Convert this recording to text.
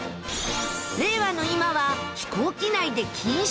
令和の今は飛行機内で禁止。